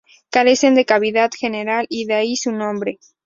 Carecen de cavidad general y de ahí su nombre.